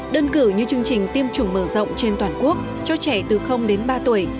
đơn cử như chương trình tiêm chủng mở rộng trên toàn quốc cho trẻ từ đến ba tuổi